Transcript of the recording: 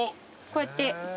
こうやって。